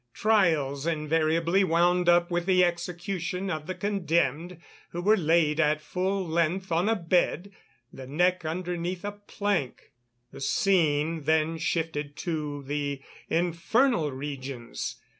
The trials invariably wound up with the execution of the condemned, who were laid at full length on a bed, the neck underneath a plank. The scene then shifted to the infernal regions.